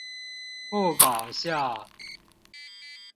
不搞笑